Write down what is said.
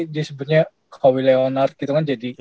dia sebutnya kawe leonard gitu kan